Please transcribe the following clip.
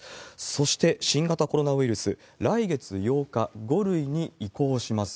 そして新型コロナウイルス、来月８日、５類に移行します。